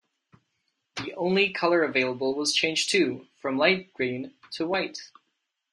The only color available was changed too, from light green to white.